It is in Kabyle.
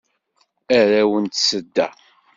Arraw n tsedda.